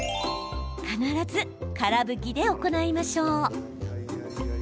必ず、から拭きで行いましょう。